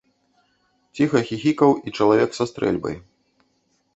Ціха хіхікаў і чалавек са стрэльбай.